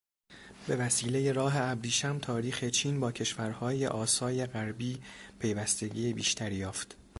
بوسیلهٔ راه ابریشم تاریخ چین با کشورهای آسای غربی پیوستگی بیشتری یافت.